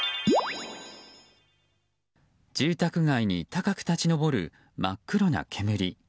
住宅街に高く立ち上る真っ黒な煙。